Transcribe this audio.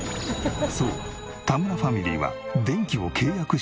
そう田村ファミリーは電気を契約していない。